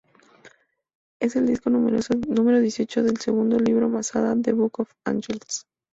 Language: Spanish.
Es el disco número dieciocho del segundo libro Masada, ""The Book of Angels"".